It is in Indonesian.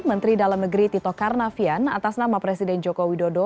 menteri dalam negeri tito karnavian atas nama presiden joko widodo